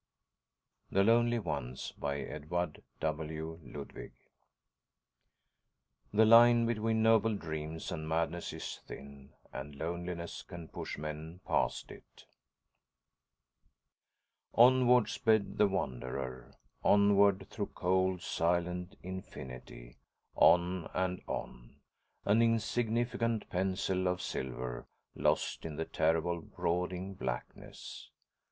The Lonely Ones By Edward W. Ludwig Illustrated by PAUL ORBAN The line between noble dreams and madness is thin, and loneliness can push men past it.... Onward sped the Wanderer, onward through cold, silent infinity, on and on, an insignificant pencil of silver lost in the terrible, brooding blackness.